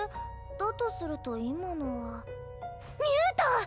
だとすると今のはミュート！